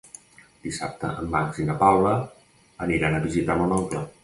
Dissabte en Max i na Paula aniran a visitar mon oncle.